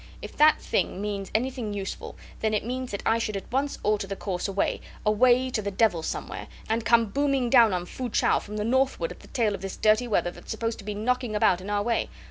If that thing means anything useful, then it means that I should at once alter the course away, away to the devil somewhere, and come booming down on Fu chau from the northward at the tail of this dirty weather that's supposed to be knocking about in our way.